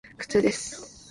苦痛です。